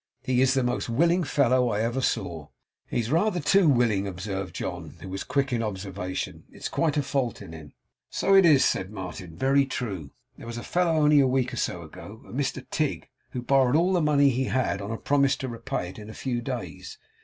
He is the most willing fellow I ever saw.' 'He's rather too willing,' observed John, who was quick in observation. 'It's quite a fault in him.' 'So it is,' said Martin. 'Very true. There was a fellow only a week or so ago a Mr Tigg who borrowed all the money he had, on a promise to repay it in a few days.